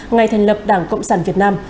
ngày thành lập đảng cộng sản việt nam